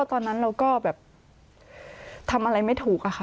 ตอนนั้นเราก็แบบทำอะไรไม่ถูกอะค่ะ